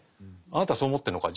「あなたそう思ってるのか。